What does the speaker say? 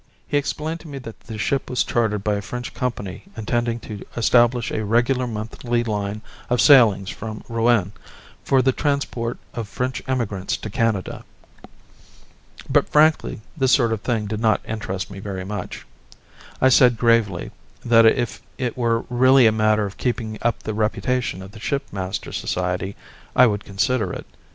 He explained to me that the ship was chartered by a French company intending to establish a regular monthly line of sailings from Rouen, for the transport of French emigrants to Canada. But, frankly, this sort of thing did not interest me very much. I said gravely that if it were really a matter of keeping up the reputation of the Shipmasters' Society, I would consider it.